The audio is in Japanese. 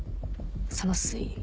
その推理。